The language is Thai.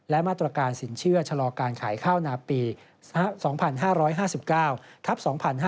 และมาตรการสินเชื่อชะลอการขายข้าวนาปี๒๕๕๙ทับ๒๕๕๙